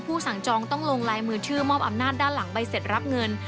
สั่งจองต้องลงลายมือชื่อมอบอำนาจด้านหลังใบเสร็จรับเงิน